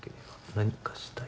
「何かしたい」